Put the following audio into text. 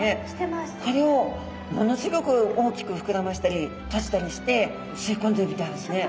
これをものすギョく大きく膨らましたり閉じたりして吸い込んでるみたいですね。